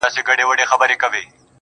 • راسه دوې سترگي مي دواړي درله دركړم.